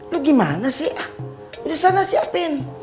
lu gimana sih ah udah sana siapin